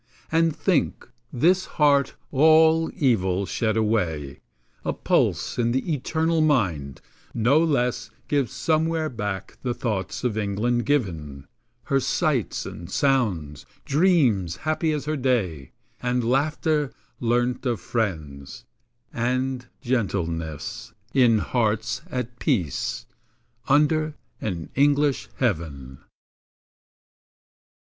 And think, this heart, all evil shed away, A pulse in the eternal mind, no less Gives somewhere back the thoughts by England given; Her sights and sounds; dreams happy as her day; And laughter, learnt of friends; and gentleness, In hearts at peace, under an English heaven.